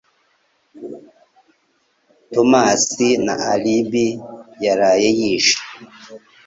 Tomasi nta alibi yaraye yishe